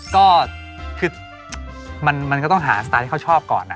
ก็คือมันก็ต้องหาสไตล์ที่เขาชอบก่อนนะ